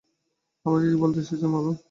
আমাকে কী বলতে এসেছেন, বলুন।